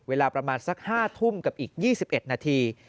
เวลาประมาณสัก๕ทุ่มกับอีก๒๑นาที